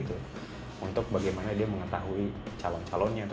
untuk bagaimana dia mengetahui calon calonnya